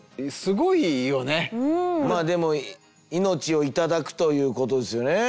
まあでも命を頂くということですよね。